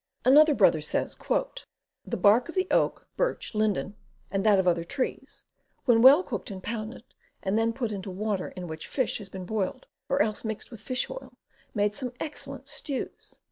Another brother says: "The bark of the oak, birch, Hnden, and that of other trees, when well cooked and pounded, and then put into the water in which fish had been boiled, or else mixed with fish oil, made some excellent stews."